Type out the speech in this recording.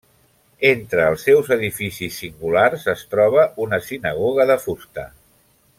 Entre els seus edificis singulars es troba una sinagoga de fusta.